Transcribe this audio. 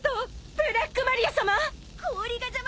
ブラックマリアさま？